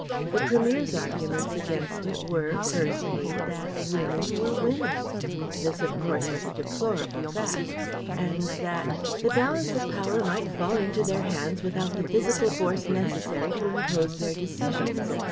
The Premier's arguments against it were, firstly, that "Women were Women" this of course was a deplorable fact and that "the balance of power might fall into their hands without the physical force necessary to impose their decisions, etc.